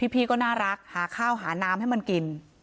พี่ก็น่ารักหาข้าวหาน้ำให้มันกิน